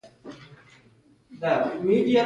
هغې خپل عمر تا له دروبخل.